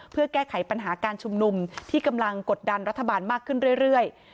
เพื่อแก้ไขปัญหาการชุมนุมที่กำลังกดดันรัฐบาลมากขึ้นเรื่อย